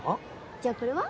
じゃあこれは？